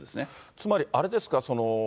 つまり、あれですか？